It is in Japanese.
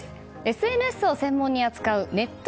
ＳＮＳを専門に扱うネット